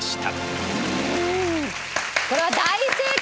これは大正解！